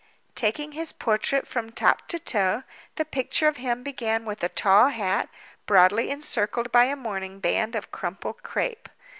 Taking his portrait, from top to toe, the picture of him began with a tall hat, broadly encircled by a mourning band of crumpled crape.